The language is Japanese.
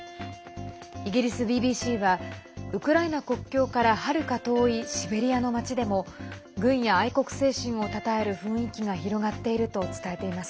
イギリスＢＢＣはウクライナ国境からはるか遠いシベリアの町でも軍や愛国精神をたたえる雰囲気が広がっていると伝えています。